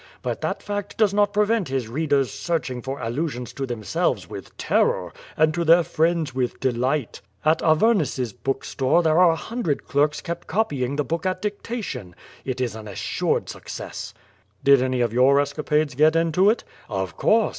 But that fact does not prevent his readers searching for allusions to them selves with terror, and to their friends with delight. At Avimus's bookstore there are a hundred clerks kept copying the book at dictation — ^it is an assured success." "Did any of your escapades get into it?" "Of course.